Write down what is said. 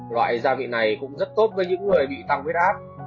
loại gia vị này cũng rất tốt với những người bị tăng huyết áp